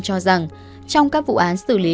cho rằng trong các vụ án xử lý